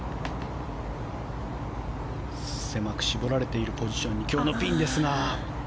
狭く絞られている今日のポジションにピンですが。